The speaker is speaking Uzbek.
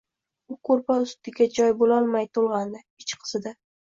U koʼrpa ustiga joy boʼlolmay toʼlgʼandi. Ichi qizidi.